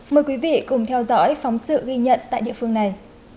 mời quý vị cùng theo dõi phóng sự ghi nhận tại địa phương này